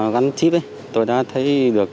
nên cái việc này rất quan trọng